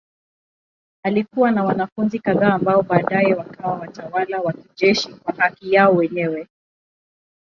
Alikuwa na wanafunzi kadhaa ambao baadaye wakawa watawala wa kijeshi kwa haki yao wenyewe.